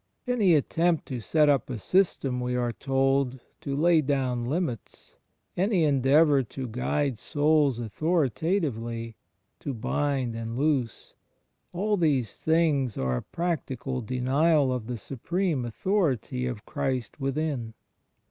Any attempt to set up a system, we are told, to lay down limits, any endeavour to guide souls authori tatively, to "bind and loose," — all these things are a practical denial of the Supreme Authority of Christ within.